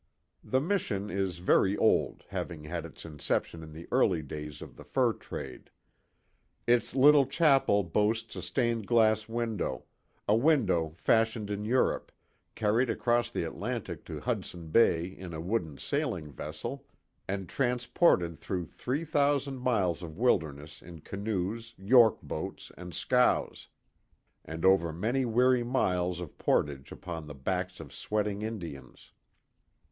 The mission is very old having had its inception in the early days of the fur trade. Its little chapel boasts a stained glass window a window fashioned in Europe, carried across the Atlantic to Hudson Bay in a wooden sailing vessel, and transported through three thousand miles of wilderness in canoes, York boats, and scows, and over many weary miles of portage upon the backs of sweating Indians.